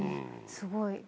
すごい。